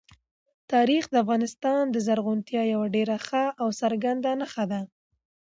تاریخ د افغانستان د زرغونتیا یوه ډېره ښه او څرګنده نښه ده.